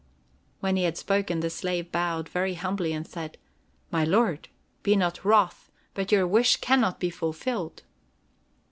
When he had spoken, the slave bowed very humbly and said: "My lord, be not wroth! but your wish can not be fulfilled."